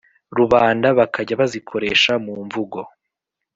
rubanda bakajya bazikoresha mu mvugo